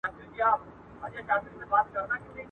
زه په کمپيوټر کي کار کوم.